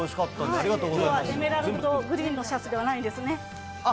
今日はエメラルドグリーンのシャツじゃないんですね。